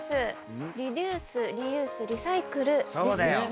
リデュースリユースリサイクルですよね。